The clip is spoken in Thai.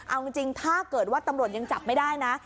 เอาจริงถ้าเกิดว่าตำรวจยังจับไม่ได้นะ